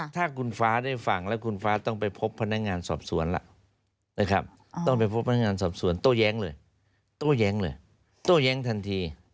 ตู้แย้งเลยตู้แย้งทันที